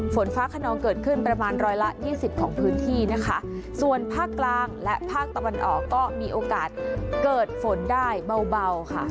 ฝนฟ้าขนองเกิดขึ้นประมาณร้อยละยี่สิบของพื้นที่นะคะส่วนภาคกลางและภาคตะวันออกก็มีโอกาสเกิดฝนได้เบาเบาค่ะ